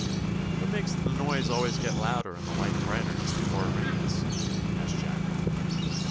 '" "What makes the noise always get louder and the light brighter just before it rains?" asked Jack Rabbit.